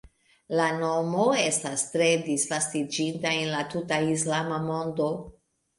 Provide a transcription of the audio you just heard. La nomo estas tre disvastiĝinta en la tuta islama mondo.